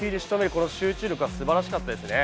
この集中力がすばらしかったですね。